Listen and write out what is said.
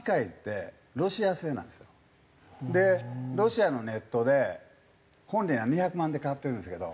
ロシアのネットで本人は２００万で買ってるんですけど。